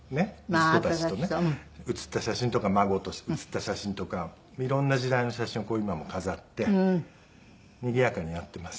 息子たちとね写った写真とか孫と写った写真とか色んな時代の写真を今も飾ってにぎやかにやっています。